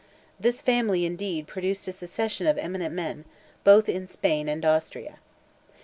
This family, indeed, produced a succession of eminent men, both in Spain and Austria.